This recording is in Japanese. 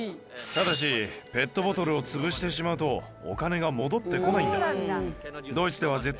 ただしペットボトルを潰してしまうとお金が戻ってこないんだ。